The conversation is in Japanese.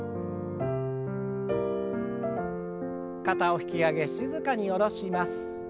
肩を引き上げ静かに下ろします。